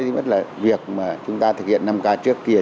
với rất là việc mà chúng ta thực hiện năm ca trước kia